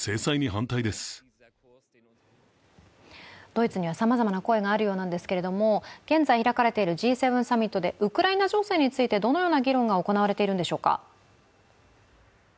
ドイツにはさまざまな声があるようなんですけれども現在、開かれているＧ７サミットでウクライナ情勢についてどのような議論が行われているんでしょうか。